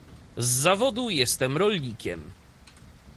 Z zawodu jestem rolnikiem